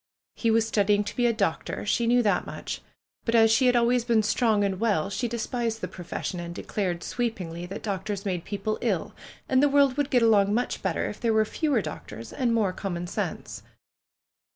He was studying to be a doctor. She knew that much. But as she had always been strong and well, she PRUE'S GARDENER 179 despised tlie profession, and declared sweepingly that doctors made people ill, and the world would get along much better if there were fewer doctors and more com mon sense.